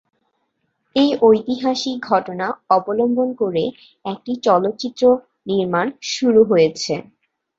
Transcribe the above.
এই ঐতিহাসিক ঘটনা অবলম্বন করে একটি চলচ্চিত্র নির্মাণ শুরু হয়েছে।